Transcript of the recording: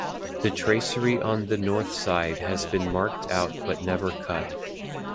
The tracery on the north side has been marked out but never cut.